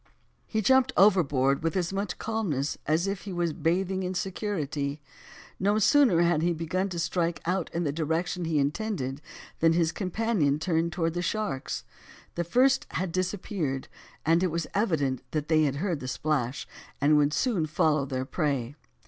He jumped overboard with as much calmness as if he was bathing in security. No sooner had he began to strike out in the direction he intended, than his companion turned towards the sharks. The first had disappeared, and it was evident they had heard the splash, and would soon follow their prey.